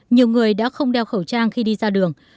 nhiều người đã không đeo khẩu trang khi đi ra đường